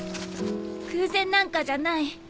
偶然なんかじゃない。